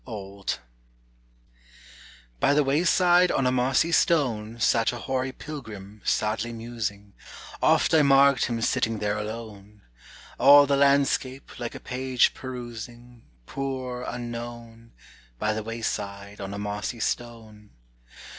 OLD. By the wayside, on a mossy stone, Sat a hoary pilgrim, sadly musing; Oft I marked him sitting there alone. All the landscape, like a page perusing; Poor, unknown, By the wayside, on a mossy stone.